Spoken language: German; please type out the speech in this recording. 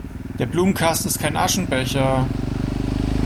Der Blumenkasten ist kein Aschenbecher!